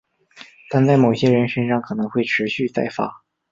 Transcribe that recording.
但在某些人身上可能会持续再发。